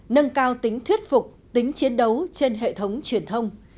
nâng cao tính thuyết phục tính chiến đấu trên hệ thống truyền thông